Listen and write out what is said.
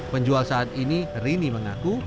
penjual saat ini rini mengaku